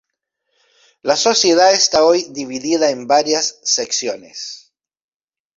La Sociedad está hoy dividida en varias secciones.